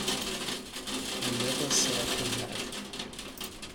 I never said he had.